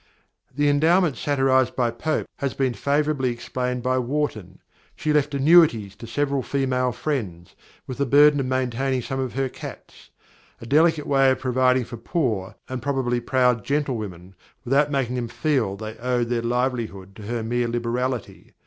The endowment satirised by Pope has been favourably explained by Warton. She left annuities to several female friends, with the burden of maintaining some of her cats a delicate way of providing for poor and probably proud gentlewomen, without making them feel that they owed their livelihood to her mere liberality.